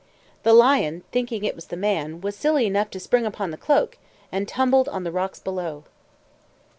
The Lion, thinking it was the man, was silly enough to spring upon the cloak, and tumbled on the rocks below.